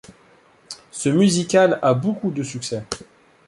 Ce musical a beaucoup de succès.